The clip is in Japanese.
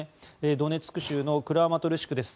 ドネツク州のクラマトルシクです。